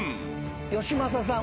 よしまささん。